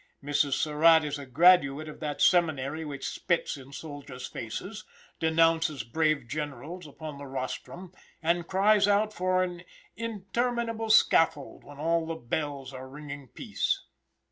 Mrs. Surratt is a graduate of that seminary which spits in soldiers faces, denounces brave generals upon the rostrum, and cries out for an interminable scaffold when all the bells are ringing peace.